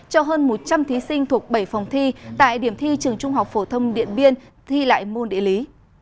cho hơn một trăm linh thí sinh thuộc bảy phòng thi tại điểm thi trường trung học phổ thông điện biên thi lại môn địa lý